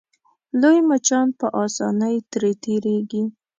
لوی مچان په اسانۍ ترې تېرېږي.